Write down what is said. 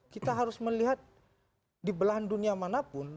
kita harus melihat di belahan dunia manapun